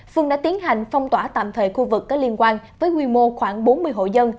phương đã tiến hành phong tỏa tạm thời khu vực có liên quan với quy mô khoảng bốn mươi hộ dân